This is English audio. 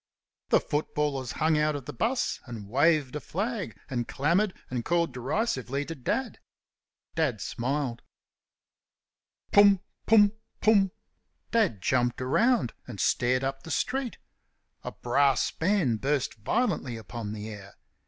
The footballers hung out of the 'bus and waved a flag, and clamoured and called derisively to Dad. Dad smiled. "Pum! pum! pum!" Dad jumped round and stared up the street. A brass band burst violently upon the air.